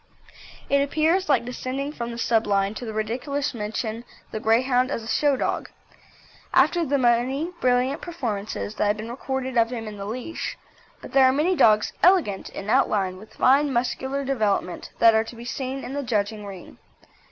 It appears like descending from the sublime to the ridiculous to mention the Greyhound as a show dog, after the many brilliant performances that have been recorded of him in the leash, but there are many dogs elegant in outline with fine muscular development that are to be seen in the judging ring.